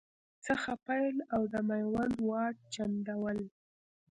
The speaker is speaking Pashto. څخه پیل او د میوند واټ، چنداول